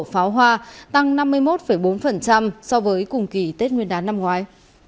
pháo hoa tăng năm mươi một bốn so với cùng kỳ tết nguyên đán năm ngoái